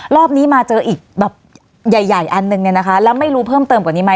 รอบนี้มาเจออีกอย่ายอันนึงแล้วไม่รู้เพิ่มเติมกว่านี้ไหม